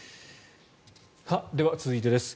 では、続いてです。